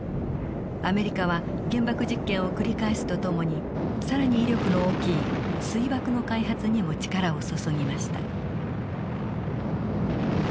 アメリカは原爆実験を繰り返すとともに更に威力の大きい水爆の開発にも力を注ぎました。